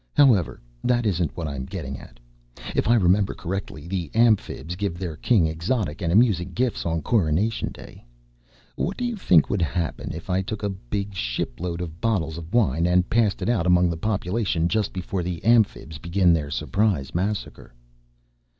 However, that isn't what I'm getting at. If I remember correctly, the Amphibs give their King exotic and amusing gifts on coronation day. What do you think would happen if I took a big shipload of bottles of wine and passed it out among the population just before the Amphibs begin their surprise massacre?"